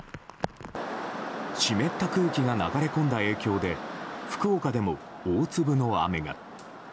湿った空気が流れ込んだ影響で福岡でも大粒の雨が。